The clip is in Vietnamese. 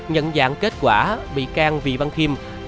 nhận dạng kết quả bị can vì văn khiêm